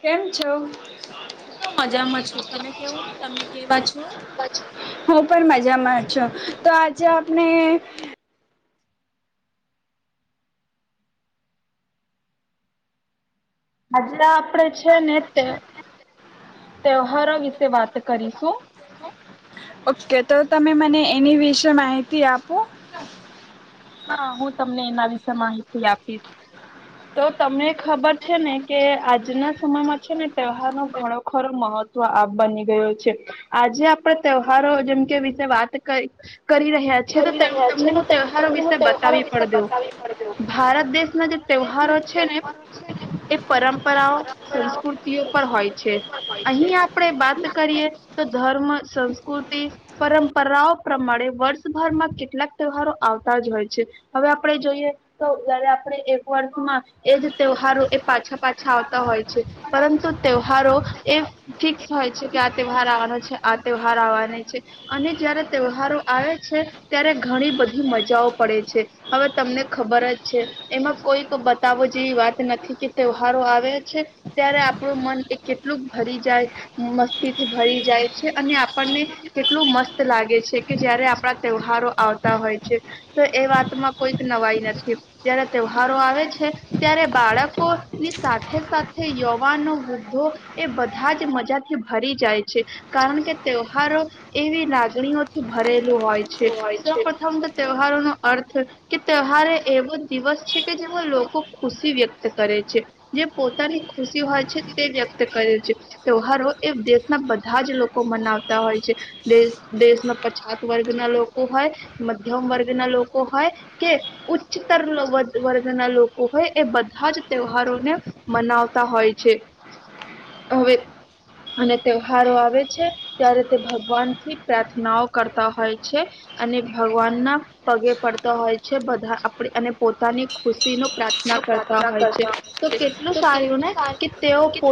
કેમ છો હું તો મજામાં છું તમે કેવું ને તમે કેવા છો? હું પણ મજામાં છો તો આજે આપણે આજે આપડે છ સનટ તહેવારો વિશે વાત કરીશું. ઓકે તો તમે મને એની વિશે માહિતી આપો. હા હું તમને એના વિશે માહિતી આપીશ તો તમને ખબર છે ને કે આજના સમયમાં છે ને તહેવાર નો ઘણો ખરો મહત્વ બની ગયો છે આજે આપણે તહેવારો જેમ કે વિશે વાત કરી રહ્યા છ છે તો તમને હું ત્યહારો વિશે બતાવી પડ દો ભારત દેશના જે તહેવારો છે ને એ પરંપરાઓ સંસ્કૃતિઓ પર હોય છે અહીં આપણેે વાત કરીએ તો ધર્મ સંસ્કૃતિ પરંપરાઓ પ્રમાણે વર્ષભરમાં કેટલાક તહેવારો આવતા જ હોય છે હવે આપણે જોઈએ તો જયારે આપણે એક વાર માં એજ તહેવારો એ પાછા પાછા આવતા હોય છે પરંતુ તહેવારો એ ફિક્સ હોય છે કે આ તહેવાર આવવાનો છે આ તહેવાર આવવાનો છે અને જયારે તહેવારો આવે છે. ત્યારે ઘણી બધી મ જવો પડે છે હવે તમને ખબર જ છે એમાં કોઈક બતાવો જેવી વાત નથી કે તહેવારો આવે છે ત્યારે આપણું મન એ કેટલું ભરી જાય મસ્તીથી ભરી જાય છે અને આપણને કેટલું મસ્ત લાગે છે કે જય્યારે આપણા તહેવારો આવતા હોય. તો એ વાતમાં કોઈક નવાઈ નથી જયારે તહેવારો આવે છે ત્યારે બાળકો ની સાથે સાથે યુવાનો વૃદ્ધો એ બધા જ મજાથી ભરી જાય છે કારણ કે તહેવારો એવી લાગણીઓથી ભરેલું હોય છે. સો પથમ અર્થ કે તહેવાર એવો દિવસ છે કે જેમાં લોકો ખુશી વ્યક્ત કરે છે. જે પોતાની ખુશી હોય છે તે વ્યક્ત કરે છે. તહેવારો એ દેશના બધા જ લોકો મનાવતા હોય છે દ દેશના પછાત વર્ગ ના લોકો હોય. મધ્યમ વર્ગના લોકો હોય કે ઉચ્ચતર વર્ગના લોકો હોય એ બધા જ તહેવારોને મનાવતા હોય છે. હવે અને તહેવારો આવે છે ત્યારે તે ભગવાન થી પ્રાર્થનાઓ કરતા હોય છે અને ભગવાનના પગે પડતા હોય છે બધા આપ અને પોતાની ખુશીનો પ્રારથ કરતા હોય છે તો કેટલું સારું ને કે તેઓ પો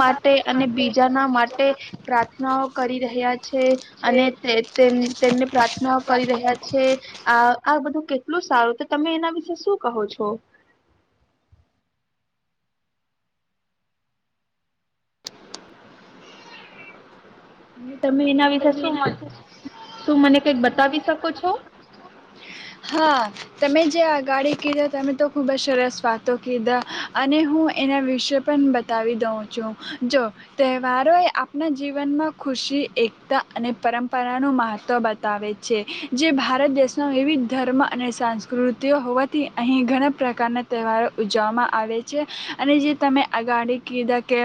માટે અને બીજાના માટે પ્રાર્થનાઓ. કરી રહ્યા છે. છે અને તેમ તેમને પ્રાર્થના કરી રહ્યા છે. આ આ બધું કેટલું સારું તો તમે એના વિશે શું કહો છો? અને તમે એના વિશેે શું મનો શું મને કઈક બતાવી શકો છો? હા તમે જે અગાડી કીધા તમે તો ખૂબ જ સરસ વાતો કીધા અને હું એના વિશે પણ બતાવી દઉં છું. જો તહેવારોએ આપણા જીવનમાં ખુશી એકતા અને પરંપરાનું મહત્ત્વ બતાવે છે જે ભારત દેશમાં એવી. ધર્મ અને સંસ્કૃતિઓ હોવાથી અહીં ઘણા પ્રકારના તહેવારો ઉજવવામાં આવે છે અને જે તમે અગાડી કીધા કે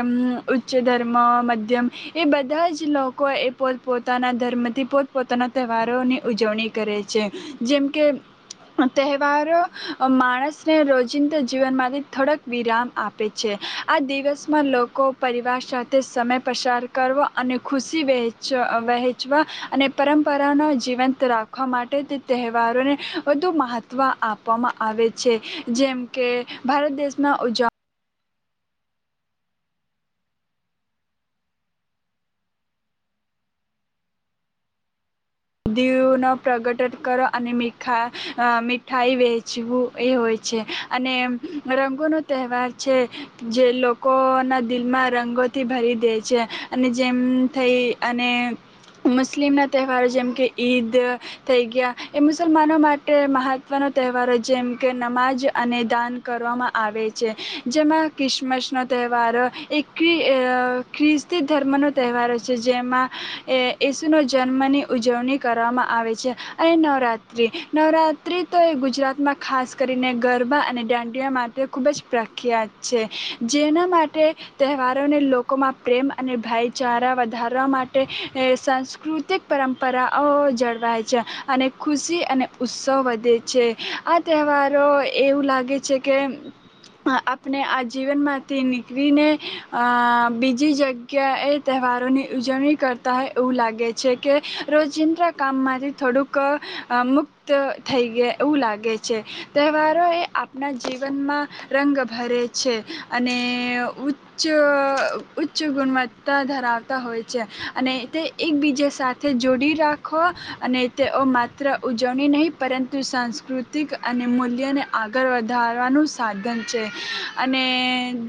ઉચ્ચ ધર્મ મધ્યમ એ બધા જ લોકો એ પોતપોતાના ધર્મથી પોતપોતાના તહેવારોની ઉજવણી કરે છે. જેમકે તહેવારો માણસને રોજિંદા જીવનમાંથી થોડક વિરામ આપે છે. આ દિવસમાં લોકો પરિવાર સાથે સમય પસાર કરવો અને ખુશી વહેચ વહેંચવા અને પરંપરાનો જીવંત રાખવા માટે. તહેવારોને વધુ મહત્વ આપવામાં આવે છે જેમ કે ભારત દેશમાં ઉજ દદીનો પ્રગટન કરો અને મીઠા મીઠાઈ વહેચવું એ હોય છે અને રંગોનો તહેવાર છે. જે લોકોના દિલમાં રંગોથી ભરી દે છે અને જેમ થઈ અને મુસ્લિમના તહેવાર જેમ કે ઈદ થઈ ગયા એ મુસલમાનો માટે મહત્વનો તહેવારો જેમ કે નમાજ અને દાન કરવામાં આવે છે. જેમાં ક્રિસમસનો તહેવારો એ ખ્રિસ્તી ધર્મનો તહેવારો છે, જેમાં ઈસુ ન જન્મની ઉજવણી કરવામાં આવે છે. અહીં નવરાત્રિ નવરાત્રિ તો એ ગુજરાતમાં ખાસ કરીને ગરબા અને દાંડિયા માટે ખૂબ જ પ્રખ્યાત છે. જેના માટે તહેવારોને લોકોમાં પ્રેમ અને ભાઈચારા વધારવા માટે સાંસ્કૃતિક પરંરા પરાઓ જળવાય છે અને ખુશી અને ઉત્સવ વધે છે આ તહેવારો એવું લાગે છે કે આપણે આ જીવનમાંથી નીકળીને અ બીજી જગ્યા એ તહેવારોની ઉજવણી કરતા હોય એવું લાગે છે કે. રોજિંદા કામમાંથી થોડુંક. મુક્ત થઈ ગયા એવું લાગે છે. તહેવારો એ આપણા જીવનમાં રંગ ભરે છે અને ઉચ્ચ ઉચ્ચ ગુણવત્તા ધરાવતા હોય છે અને તે એકબીજા સાથે જોડી રાખો અને તેઓ માત્ર ઉજવણી નહીં પરંતુ સાંસ્કૃતિક અને મૂલ્યને આગળ વધારવાનું સાધન છે અને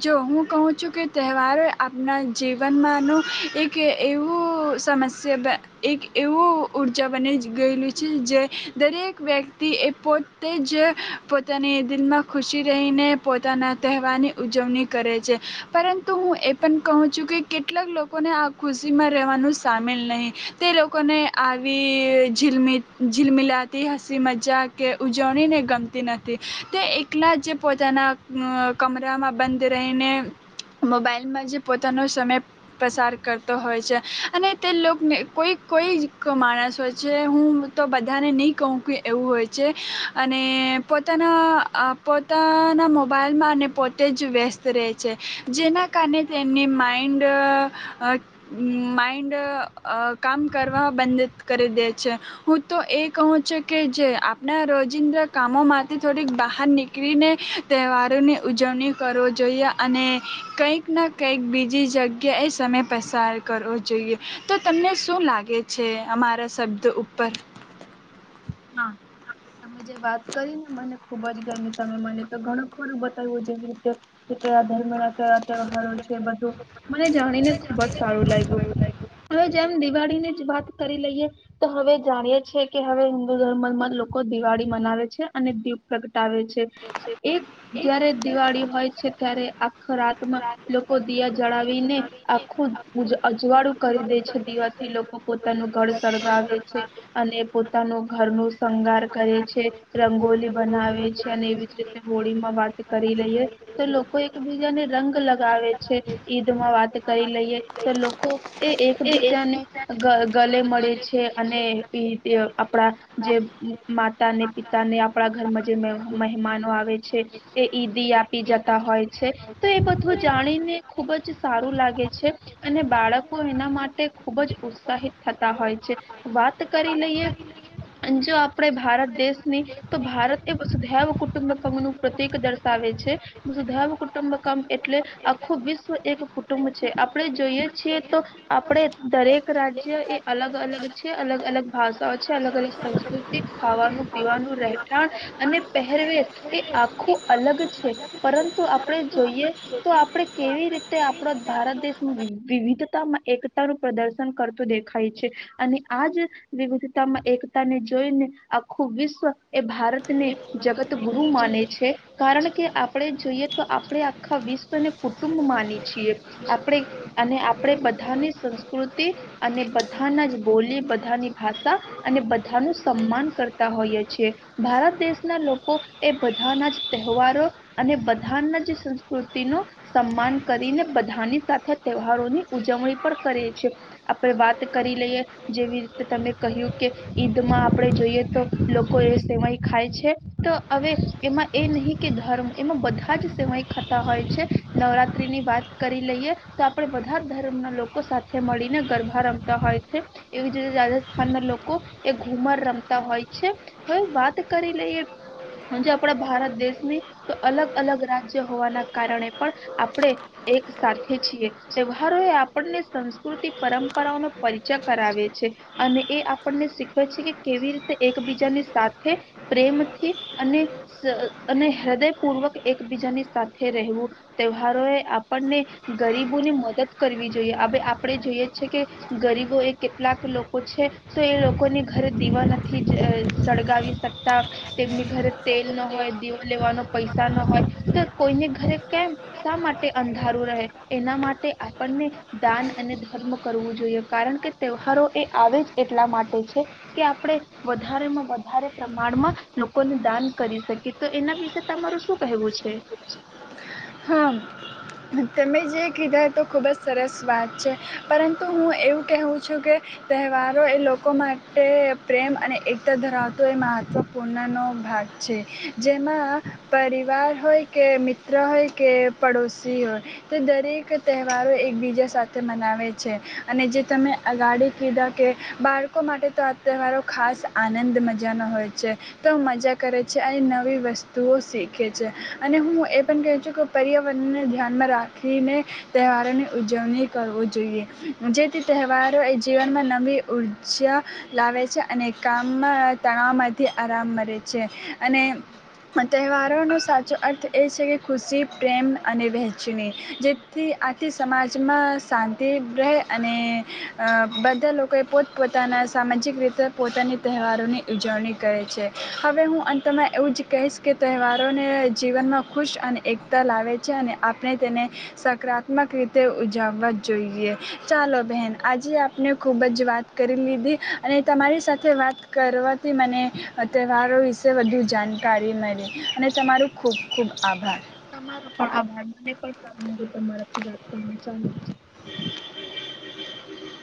જો હું કહું છું કે તહેવારોએ આપણા જીવનમાંનું એક એવું સમસ્યા એક એવું ઊર્જા બની ગયેલું છે જે દરેક વ્યક્તિ એ પોતે જ પોતાની દિલમાં ખુશી રહીને પોતાના તહેવારની ઉજવણી કરે છે. પરંતુ હું એ પણ કહું છું કે કેટલાક લોકોને આ ખુશીમાં રહેવાનું સામેલ નહીં. તે લોકોને આવી ઝીલમી ઝીલમિલાતી હસી મજા કે ઉજવણીને ગમતી નથી તે એકલા જે પોતાના કમરામાં બંધ રહીને મોબાઈલમાં જે પોતાનો સમય પસાર કરતો હોય છે અને તે લોકોને. કોઈક કોઈ માણસ હોય છે હું તો બધાને નહીં કહું ક એવું હોય છે અને પોતાના પોતાના મોબાઈલમાં અને પોતે જ વ્યસ્ત રહે છે જેના કારણે તેમની માઇન્ડ માઇન્ડ. કામ કરવા બંધ કરી દે છે હું તો એ કહું છું કે જે આપણા રોજિંદ્રા કામોમાંથી થોડીક બહાર નીકળીને તહેવારોની ઉજવણી કર જોઈએ અને કંઈક ના કંઈક બીજી જગ્યાએ સમય પસાર કરવો જોઈએ તો તમને. શું લાગે છે અમારા શબ્દ ઉપર? હા તમે જે વાત કરી ને મને ખુબ જ ગમ તમે મને તો ઘણું ખોરું બતાવ્યું જેવી રીતે. કયા ધર્મ ના ક તવારો છે બધું મને જાણીને ખુબ જ સારું લાગ્યું હવે જેમ દિવાળી ને જ વાત કરી લઈએ તો હવે જાણીએ કે હવે. હિન્દુ ધર્મમાં લોકો દિવાળી મનાવે છે અને દીપ પ્રગટ. આવે છે. એક જયારે દિવાળી હોય છે ત્યારે આખો રાતમાં લોકો દીયા જળાવીને આખું અજવાળું કરી દે છે દીવાથી લોકો પોતાનું ઘર સળગાવે છે અને પોતાનું. ઘરનું શંગાર કરે છે, રંગોલી બનાવે છે. એવી જ રીતે હોળીમાં વાત કરી લઈએ તો લોકો એકબીજાને રંગ લગાવે છે. ઈદમાં વાત કરી લઈએ તો લોકો એ એકબીજાને ગલે મળે છે, અને ઈ આપ જે માતા ને પિતા ને આપણા ઘર જે મમાનો આવે છે એ ઈદ આપી જતા હોય છે તો એ બધું જાણીને ખુબ જ સારું લાગે છે, અને બાળકો એના માટે ખુબ જ. ઉત્સાહિત થતા હોય છે. વાત કરી લઈએ. જો આપડે ભારત દેશની તો ભારત એ વસ ધૈવ કુટુંબકમ નું પ્રતિક દર્શાવે છેધૈવ કુટુંબકમ એટલે આખું વિશ્વ એક કુટુંબ છે આપડે જોઈએ છીએ તો આપણે દરેક રાજ્ય એ અલગ અલગ છે અલગ અલગ ભાષાઓ છે. અલગ અલગ સંસ્કૃતિ ખાવાનું પીવાનું રહેઠાણ અને પહેરવેશ તે આખું અલગ છે પરંતુ આપણે જોઈએ તો આપણે કેવી રીતે આપણા ભારત દેશનું વિવિધ માં એકતાનું પ્રદર્શન કરતું દેખાય છે, અને આજ વિવ ઉતમ એકતા ને જોઈને આખું વિશ્વ એ ભારત. ને જગત ગુરુ માને છે. કારણ કે આપણે જોઈએ તો આપણે આખા વિશ્વને કુટુંબ માની છીએ, આપણે અને આપણે બધાની સંસ્કૃતિ અને બધાના જ બોલી બધાની ભા ષા બધાનું સન્માન કરતા હોઈએ છીએ. ભારત દેશના લોકો એ બધાના જ તહેવારો અને બધાના જ સંસ્કૃતિ ન સન્માન કરીને બધાની સાથે તહેવારોની ઉજવણી પણ કરે છે, આપણે વાત કરી લઈએ જેવી રીતે તમે. કહ્યું કે ઈદમાં આપણે જોઈએ તો લોકો એ સેવાય ખાય છે તો હવે એમાં એ નહીં કે ધર્મ એમાં બધા જ સેવાય ખતા હોય છે, નવરાત્રી ની વાત કરી લઈએ તો આપણેે બધા જ ધર્મના લોકો સાથે મળીને ગરભા રમતા હોય છે એવી જ રીતે રા સ્થાન લોકો એ ઘુમર રમતા હોય છે, હવે વાત કરી લઈએ જો આપણા ભારત દેશની તો અલગ-અલગ રાજ્ય હોવાના કારણે પણ આપણે એક સાથે છીએ, તહેવારો એ આપણને સંસ્કૃતિ પરંપરાઓનો પરિચય કરાવે છે. અને એ આપણ શીખવે છે કે કેવી રીતે એકબીજાની સાથે પ્રેમથી અને અને હૃદયપૂર્વક એકબીજાની સાથે રહેવું તહેવારો એ આપણને ગરીબોની મદદ કરવી જોઈએ, હવે આપણે જોઈએ છેએ કે ગરીબો એ કેટલાક લો પૂછે તો એ લોકોને ઘરે દીવા નથી સળગાવી શકતા, તેમની ઘરે તેલ ના હોય દીવો લેવાનો પૈસા ના હોય તો કોઈને ઘરે કેમ શા માટે અંધારું રહે એના માટે આપણને દાન અને ધર્મ કરવું જોઈએ કારણ કે તહેવારો. એ આવે જ એટલા માટે છે કે આપણે વધારેમાં વધારે પ્રમાણમાં લોકોને દાન કરી શકીએ તો એના વિશે તમારું શું કહેવું છે? હા તમે જે કીધા તો ખૂબ જ સરસ વાત છે પરંતુ હું એવું કહેવું છું કે તહેવારો એ લોકો માટે પ્રેમ અને એકતા ધરાવતો એ મહત્ત્વપૂર્ણનો ભાગ છે જેમાં પરિવાર હોય કે મિત્ર હોય. કે પડોશી હોય તે દરેક તહેવારો એકબીજા સાથે મનાવે છે અને જે તમે અગાડી કીધા કે બાળકો માટે તો આ તહેવારો ખાસ આનંદ મજાનો હોય છે, તો મજા કરે છે અને નવી વસ્તુઓ શીખે છે અને હું એ પણ કહે છું કે પર્યાવરણને ધ્યાનમાં રાખીને તહેવારોની ઉજવણી કરવવી જોઈએ જેથી તહેવારો એ જીવનમાં નવી ઉર્જા લાવે છે, અને કામમાં તણાવમાંથી આરામ મે છે અને તહેવારોનો સાચો અર્થ એ છે કે ખુશી પ્રેમ અને વહેંચણી જેથી આથી સમાજમાં શાંતિ રહે અને બધા લોકોએ પોતપોતાના સામાજિક રીતે પોતાની તહેવારોની ઉજવણી કરે છે, હવે હું અંતમાં એવું જ કહીશ કે તહેવારોને જીવનમાં ખુશ અને એક ત લાવે છે અને આપણે તેને સકારાત્મક રીતે ઉજવવા જોઈએ. ચાલો બહેન આજે આપણે ખૂબ જ વાત કરી લીધી અને તમારી સાથે વાત કરવાથી મને તહેવારો વિશે વધુ જાણકારી મળી અને તમારું ખૂબ ખૂબ આભાર. મારો પણ આભાર મને કઈ સારું. તમારાથી વાત કરી ને ચાલો.